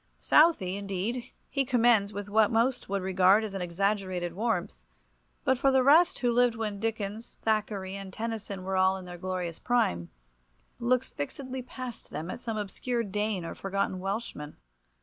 Southey, indeed, he commends with what most would regard as exaggerated warmth, but for the rest he who lived when Dickens, Thackeray, and Tennyson were all in their glorious prime, looks fixedly past them at some obscure Dane or forgotten Welshman.